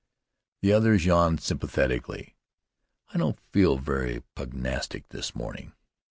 The others yawned sympathetically. "I don't feel very pugnastic this morning."